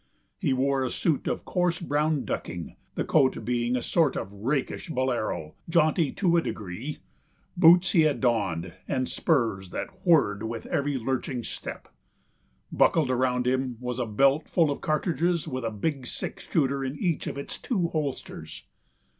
He wore a suit of coarse brown ducking, the coat being a sort of rakish bolero, jaunty to a degree. Boots he had donned, and spurs that whirred with every lurching step. Buckled around him was a belt full of cartridges with a big six shooter in each of its two holsters.